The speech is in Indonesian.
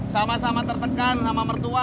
sama sama tertekan sama mertua